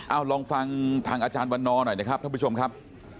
เอาลองฟังทางอาจารย์วันนอหน่อยนะครับท่านผู้ชมครับ